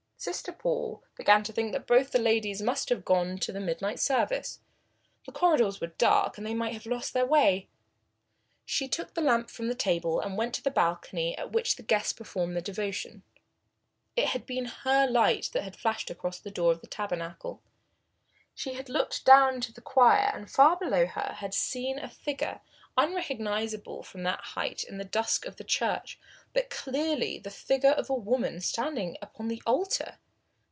Sister Paul began to think that both the ladies must have gone to the midnight service. The corridors were dark and they might have lost their way. She took the lamp from the table and went to the balcony at which the guests performed their devotion. It had been her light that had flashed across the door of the tabernacle. She had looked down into the choir, and far below her had seen a figure, unrecognisable from that height in the dusk of the church, but clearly the figure of a woman standing upon the altar.